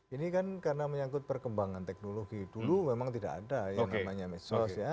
ini kan karena menyangkut perkembangan teknologi dulu memang tidak ada yang namanya medsos ya